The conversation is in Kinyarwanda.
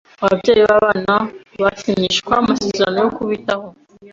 Ababyeyi b’abana basinyishwa amasezerano yo kubitaho